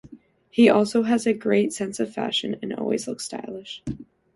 He also has a great sense of fashion and always looks stylish.